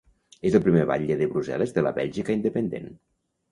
És el primer batlle de Brussel·les de la Bèlgica independent.